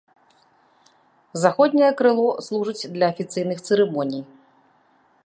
Заходняе крыло служыць для афіцыйных цырымоній.